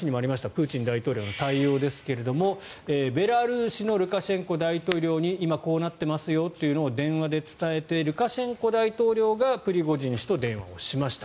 プーチン大統領の対応ですがベラルーシのルカシェンコ大統領に今こうなってますよというのを電話で伝えてルカシェンコ大統領がプリゴジン氏と電話をしました。